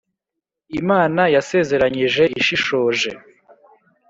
imana yasezeranyije ishishoje !".